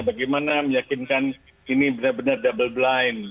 bagaimana meyakinkan ini benar benar double blind